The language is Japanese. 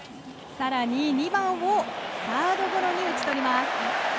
更に２番をサードゴロに打ち取ります。